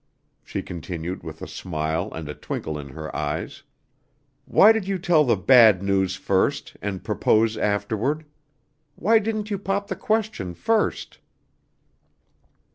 she continued with a smile and a twinkle in her eyes. "Why did you tell the bad news first and propose afterward? Why didn't you pop the question first?"